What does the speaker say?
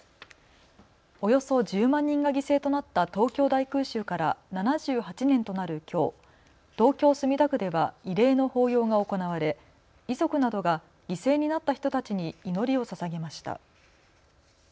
およそ１０万人が犠牲となった東京大空襲から７８年となるきょう東京墨田区では慰霊の法要が行われ遺族などが犠牲になった人たちに祈りをささげました。